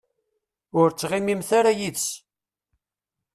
Ur ttɣimimt ara yid-s.